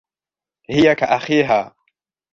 هي كأخيها.